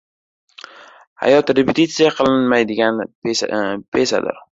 Hayot repetitsiya qilinmaydigan pesadir.